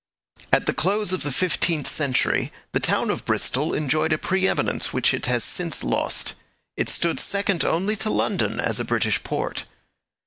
At the close of the fifteenth century the town of Bristol enjoyed a pre eminence which it has since lost. It stood second only to London as a British port.